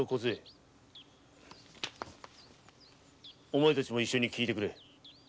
お前たちも一緒に聞いてくれ。